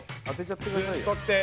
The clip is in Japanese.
あっ！